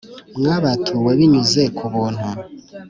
Mwabatuwe binyuze ku buntu